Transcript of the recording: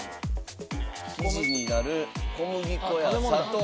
生地になる小麦粉や砂糖ですね。